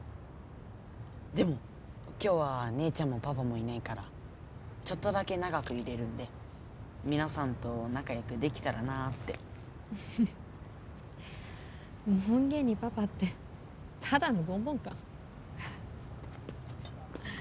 でも、今日は姉ちゃんもパパもいないからちょっとだけ長くいれるんで皆さんと仲よくできたらなあって。フフッ、門限にパパってただのボンボンか。